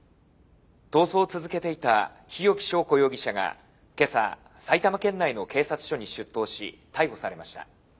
逃走を続けていた日置昭子容疑者が今朝埼玉県内の警察署に出頭し逮捕されました。